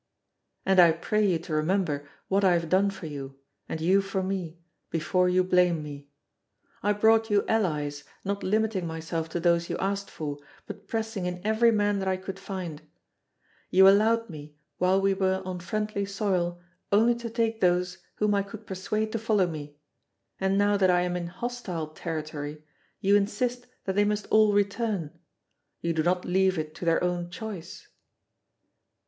And I pray you to remember what I have done for you, and you for me, before you blame me. I brought you allies, not limiting myself to those you asked for, but pressing in every man that I could find; you allowed me while we were on friendly soil only to take those whom I could persuade to follow me, and now that I am in hostile territory you insist that they must all return; you do not leave it to their own choice.